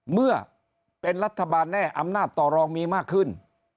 เมื่อเป็นรัฐบาลแน่อำนาจต่อรองมีมากขึ้น